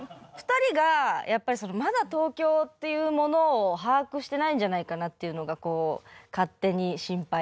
２人がやっぱりそのまだ東京っていうものを把握してないんじゃないかなっていうのが勝手に心配。